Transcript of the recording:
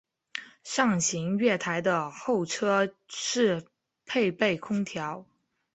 上行月台的候车室配备空调。